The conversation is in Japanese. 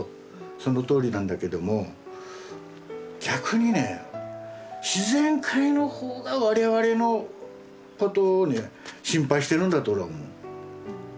そのとおりなんだけども逆にね自然界の方が我々のことをね心配してるんだと俺は思う。